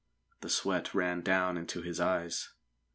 The sweat ran down into his eyes.